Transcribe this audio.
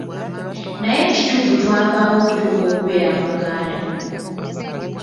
Naye ekituufu twavaawa okutuuka okubeera mu Buganda.